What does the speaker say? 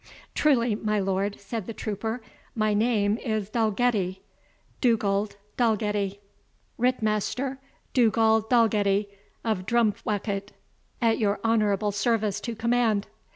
"Truly, my lord," said the trooper, "my name is Dalgetty Dugald Dalgetty, Ritt master Dugald Dalgetty of Drumthwacket, at your honourable service to command.